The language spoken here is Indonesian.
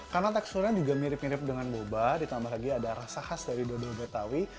karena teksturnya juga mirip mirip dengan boba ditambah lagi ada rasa khas dari dodol betawi